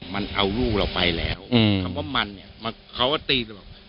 มันเอาลูกเราไปแล้วอืมคำว่ามันเนี่ยมันเขาก็ตี